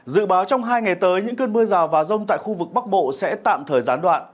dự báo trong hai ngày tới những cơn mưa rào và rông tại khu vực bắc bộ sẽ tạm thời gián đoạn